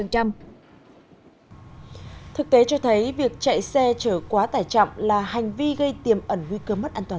thực tế cho thấy việc chạy xe chở quá tải trọng là hành vi gây tiềm ẩn nguy cơ mất an toàn